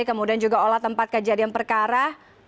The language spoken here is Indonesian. kemudian juga olah tempat kejadian perkara